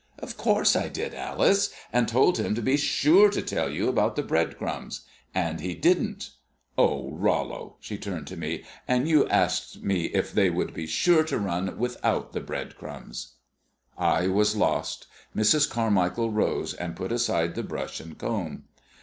"Of course I did, Alice, and told him to be sure to tell you about the bread crumbs. And he didn't! Oh, Rollo" she turned to me "and you asked me if they would be sure to run without the bread crumbs!" I was lost. Mrs. Carmichael rose, and put aside the brush and comb.